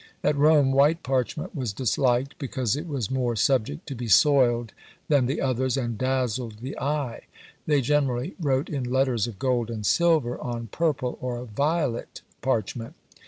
At Rome white parchment was disliked, because it was more subject to be soiled than the others, and dazzled the eye. They generally wrote in letters of gold and silver on purple or violet parchment.